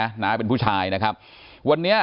ประสงสามรูปนะคะนำสายสีขาวผูกข้อมือให้กับพ่อแม่ของน้องชมพู่